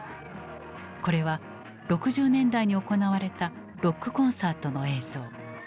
これは６０年代に行われたロックコンサートの映像。